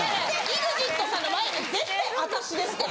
ＥＸＩＴさんの前絶対私ですって。